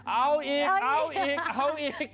เอาอีกเอาอีกเอาอีก